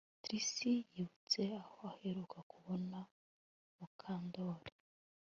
Trix yibutse aho aheruka kubona Mukandoli